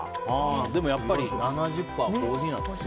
でもやっぱり７０％はコーヒーなんだね。